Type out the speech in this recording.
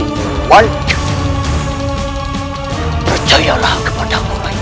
kenapa intolerasi untuk merahmati rai